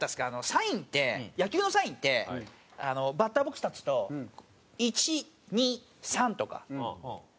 サインって野球のサインってバッターボックス立つと「１」「２」「３」とかで数字なんですよ。